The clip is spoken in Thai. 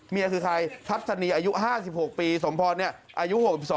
นี่คือใครทัศนีอายุ๕๖ปีสมพรอายุ๖๒